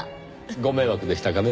ご迷惑でしたかね？